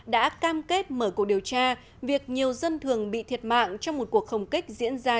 đã cam kết mở cuộc điều tra việc nhiều dân thường bị thiệt mạng trong một cuộc không kích diễn ra